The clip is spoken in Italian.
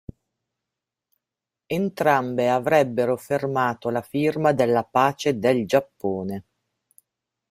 Entrambe avrebbero fermato la firma della pace del Giappone.